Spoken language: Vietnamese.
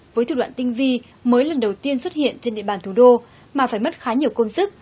với thực đoạn tinh vi mới lần đầu tiên xuất hiện trên địa bàn thủ đô mà phải mất khá nhiều công sức